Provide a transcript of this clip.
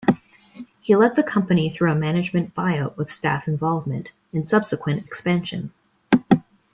He led the company through a management buyout with staff involvement, and subsequent expansion.